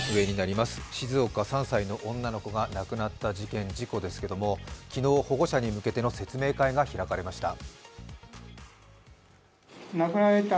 静岡、３歳の女の子が亡くなった事件、事故ですが昨日保護者に向けての説明会が開かれました。